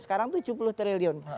sekarang tujuh puluh triliun